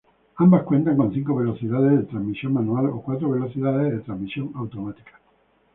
Ambas cuentan con cinco velocidades de transmisión manual o cuatro velocidades de transmisión automática.